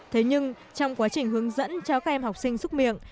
thế nhưng trong quá trình hướng dẫn cho các em học sinh xúc miệng